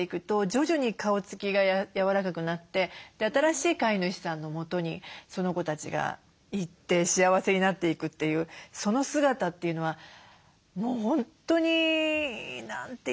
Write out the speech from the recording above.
徐々に顔つきが柔らかくなって新しい飼い主さんのもとにその子たちが行って幸せになっていくというその姿というのはもう本当に何て言うのかな